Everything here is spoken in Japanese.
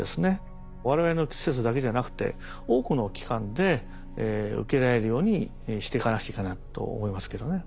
我々の施設だけじゃなくて多くの機関で受けられるようにしていかなくちゃいけないと思いますけどね。